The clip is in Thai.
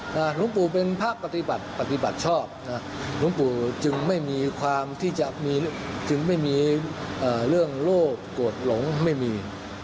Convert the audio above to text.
หลวงปู่เป็นภาพปฏิบัติปฏิบัติชอบหลวงปู่จึงไม่มีเรื่องโลภโกรธหลงไม่มี